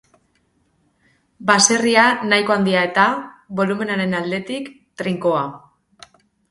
Baserria nahiko handia eta, bolumenaren aldetik, trinkoa.